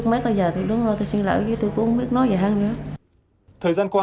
công an tp quảng ngãi và các đơn vị nghiệp vụ